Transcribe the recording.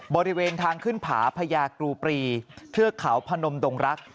บริเวณทางขึ้นผาพญากรูปรีเทือกเขาพนมดงรัก